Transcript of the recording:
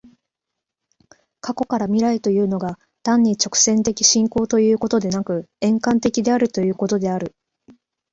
過去から未来へというのが、単に直線的進行ということでなく、円環的であるということである。